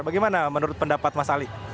bagaimana menurut pendapat mas ali